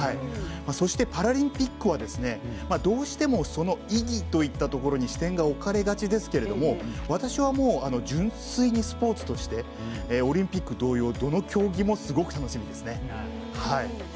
パラリンピックはどうしてもその意義といったところに視点が置かれがちですけれども私は純粋にスポーツとしてオリンピック同様どの競技も、すごく楽しみですね。